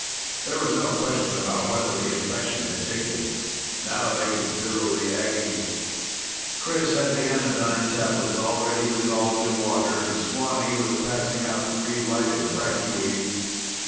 There was no question about whether the infection had taken. Now they could dull the agony. Chris had the anodyne tablets already dissolved in water, and Swanee was passing out three lighted bracky weeds.